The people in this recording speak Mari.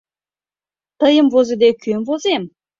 Тыйым возыде, ком возем?